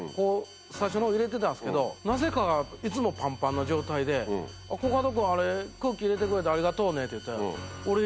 最初の方入れてたんですけどなぜかいつもパンパンの状態で「コカド君あれ空気入れてくれてありがとうね」って言ったら。